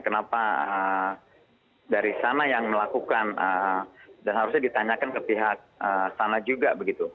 kenapa dari sana yang melakukan dan harusnya ditanyakan ke pihak sana juga begitu